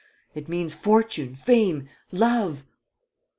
It means fortune, fame, love.